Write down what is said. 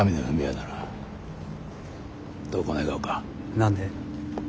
何で？